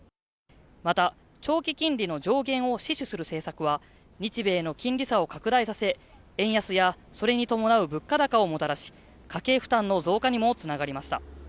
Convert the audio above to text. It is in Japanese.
また、長期金利の上限を死守する政策は日米の金利差を拡大させ円安や、それに伴う物価高をもたらし家計負担の増加にもつながりました。